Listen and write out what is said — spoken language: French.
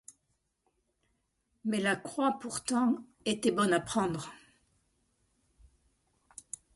Mais la croix, pourtant, était bonne à prendre.